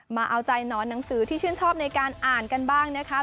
มาเอาใจหนอนหนังสือที่ชื่นชอบในการอ่านกันบ้างนะคะ